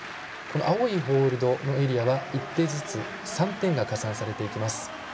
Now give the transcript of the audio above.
青いホールドのエリアは１手ずつ、３点が加算されていきます。